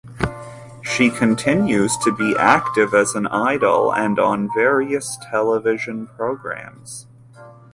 She continues to be active as an idol and on various television programs.